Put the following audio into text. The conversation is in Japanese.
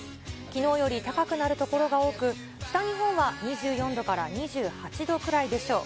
きのうより高くなる所が多く、北日本は２４度から２８度くらいでしょう。